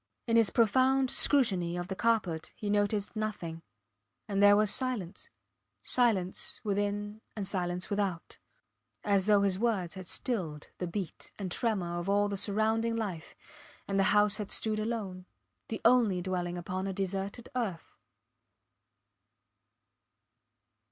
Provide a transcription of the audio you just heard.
In his profound scrutiny of the carpet he noticed nothing. And there was silence, silence within and silence without, as though his words had stilled the beat and tremor of all the surrounding life, and the house had stood alone the only dwelling upon a deserted earth.